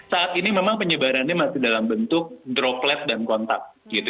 saat ini memang penyebarannya masih dalam bentuk droplet dan kontak